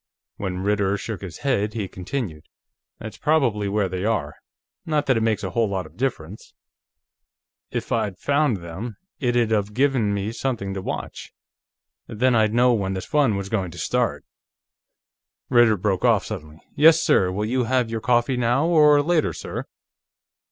When Ritter shook his head, he continued: "That's probably where they are. Not that it makes a whole lot of difference." "If I'd found them, it'd of given me something to watch; then I'd know when the fun was going to start." Ritter broke off suddenly. "Yes, sir. Will you have your coffee now, or later, sir?"